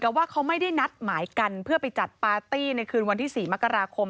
แต่ว่าเขาไม่ได้นัดหมายกันเพื่อไปจัดปาร์ตี้ในคืนวันที่๔มกราคม